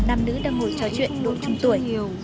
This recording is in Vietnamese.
nam nữ đang ngồi trò chuyện đụng chung tuổi